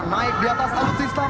naik di atas alutsista